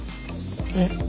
えっ？